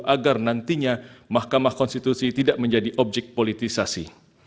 agar nantinya mahkamah konstitusi tidak menjadi objek politisasi